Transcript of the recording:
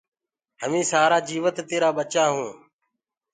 همين سآرآ جيوت تيرآ ٻچآ هونٚ